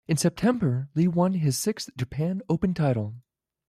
In September, Lee won his sixth Japan Open title.